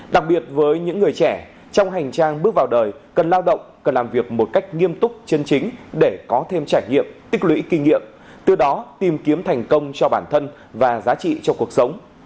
đặc biệt với những người trẻ trong hành trang bước vào đời cần lao động cần làm việc một cách nghiêm túc chân chính để có thêm trải nghiệm tích lũy kinh nghiệm từ đó tìm kiếm thành công cho bản thân và giá trị cho cuộc sống